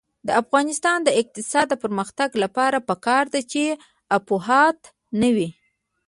د افغانستان د اقتصادي پرمختګ لپاره پکار ده چې افواهات نه وي.